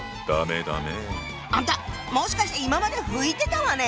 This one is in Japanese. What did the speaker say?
あんたもしかして今まで拭いてたわね